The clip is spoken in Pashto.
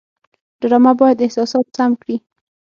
ډرامه باید احساسات سم کړي